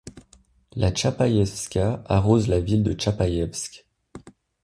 La Tchapaïevka arrose la ville de Tchapaïevsk.